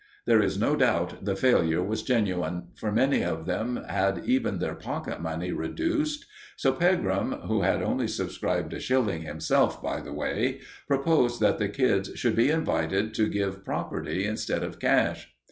There is no doubt the failure was genuine, for many of them had even their pocket money reduced; so Pegram who had only subscribed a shilling himself, by the way proposed that the kids should be invited to give property instead of cash.